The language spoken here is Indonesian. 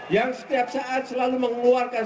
yang setiap saat selalu mengeluarkan